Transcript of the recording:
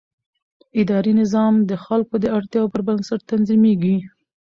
اداري نظام د خلکو د اړتیاوو پر بنسټ تنظیمېږي.